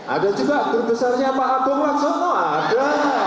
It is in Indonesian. ada juga grup besarnya pak agung laksono ada